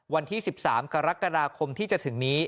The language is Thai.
วันที่๑๓กรกฎาคมที่จะถึงนี้